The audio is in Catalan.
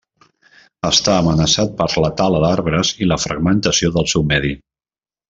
Està amenaçat per la tala d'arbres i la fragmentació del seu medi.